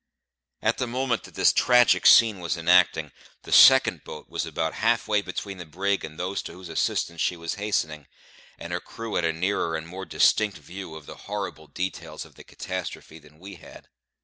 At the moment that this tragic scene was enacting, the second boat was about half way between the brig and those to whose assistance she was hastening; and her crew had a nearer and more distinct view of the horrible details of the catastrophe than we had.